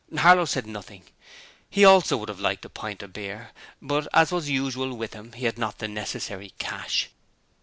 Harlow said nothing. He also would have liked a pint of beer, but, as was usual with him, he had not the necessary cash.